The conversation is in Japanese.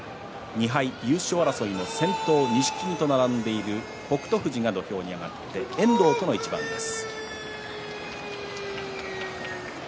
２敗、優勝争いの先頭並んでいる北勝富士が土俵上、遠藤との一番です。